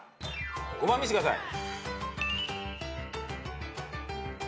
５番見せてください。